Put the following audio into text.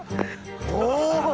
お！